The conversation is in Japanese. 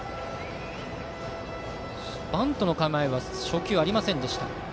バントの構えは初球ありませんでした。